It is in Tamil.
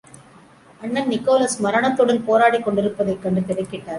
அண்ணன் நிக்கோலஸ் மரணத்துடன் போராடிக் கொண்டிருப்பதைக் கண்டு திடுக்கிட்டார்.